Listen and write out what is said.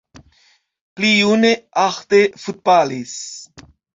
Pli june Ahde futbalis.